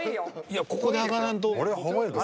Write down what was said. ［いやここで上がらんと］